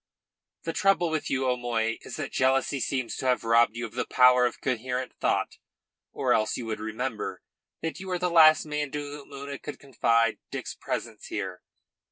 "The trouble with you, O'Moy, is that jealousy seems to have robbed you of the power of coherent thought, or else you would remember that you were the last man to whom Una could confide Dick's presence here.